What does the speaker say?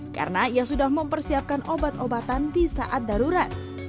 karena ia sudah mempersiapkan obat obatan di saat darurat